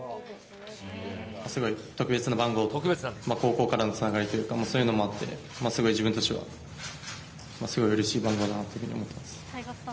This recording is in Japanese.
すごい特別な番号、高校からのつながりというか、そういうのもあって、自分としてはすごいうれしい番号だと思ってます。